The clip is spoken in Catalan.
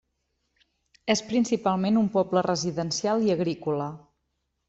És principalment un poble residencial i agrícola.